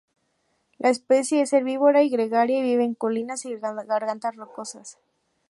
La especie es herbívora y gregaria, y vive en colinas y gargantas rocosas.